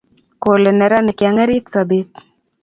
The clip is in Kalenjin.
kole neranik kiang'erit sobet